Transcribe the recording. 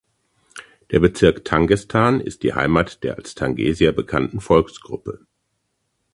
Der Bezirk Tangestan ist die Heimat der als Tangesier bekannten Volksgruppe.